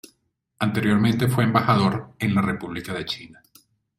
Anteriormente fue embajador en la República de China.